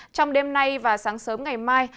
trong đêm nay và sáng sớm ngày mai